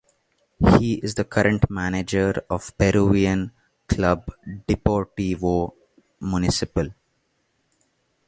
He is the current manager of Peruvian club Deportivo Municipal.